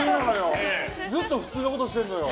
ずっと普通のことしてるのよ。